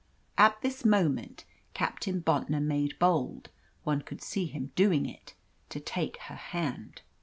At this moment Captain Bontnor made bold one could see him doing it to take her hand.